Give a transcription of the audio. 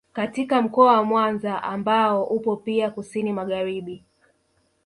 Katika mkoa wa Mwanza ambao upo pia kusini magharibi